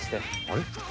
あれ？